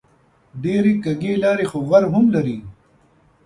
ډېرې کږې لارې خو غر هم لري